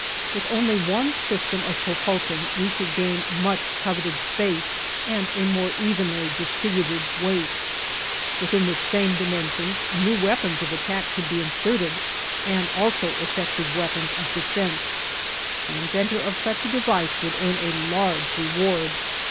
With only one system of propulsion we should gain much coveted space and a more evenly distributed weight; within the same dimensions new weapons of attack could be inserted, and also effective weapons of defense. The inventor of such a device would earn a large reward.